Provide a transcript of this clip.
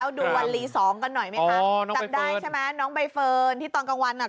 เราดูวันรี๒กันหน่อยไหมจำได้ใช่ไหมน้องใบเฟิลที่ตอนกลางวันเนี้ย